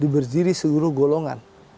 berdiri di seluruh golongan